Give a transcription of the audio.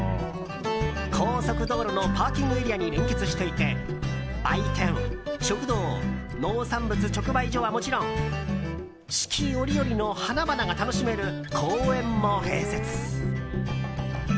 高速道路のパーキングエリアに連結していて売店、食堂農産物直売所はもちろん四季折々の花々が楽しめる公園も併設。